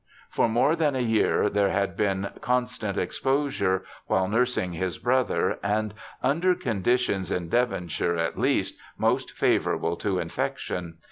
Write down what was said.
For more than a year there had been constant exposure while nursing his brother, and under conditions, in Devonshire at least, most favourable to infection.